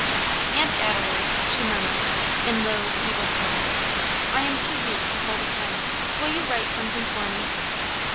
"Aunt Adelaide," she murmured, in low, feeble tones, "I am too weak to hold a pen; will you write something for me?"